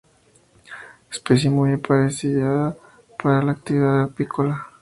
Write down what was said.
Especie muy apreciada para la actividad apícola.